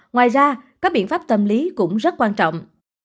ngoài ra các biện pháp tâm lý cũng rất quan trọng